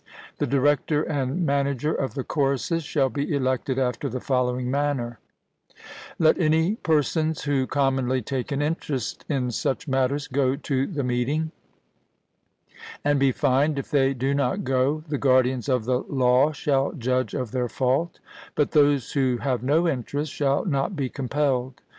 The director and manager of the choruses shall be elected after the following manner: Let any persons who commonly take an interest in such matters go to the meeting, and be fined if they do not go (the guardians of the law shall judge of their fault), but those who have no interest shall not be compelled.